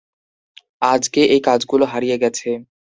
আজকে, এই কাজগুলো হারিয়ে গেছে।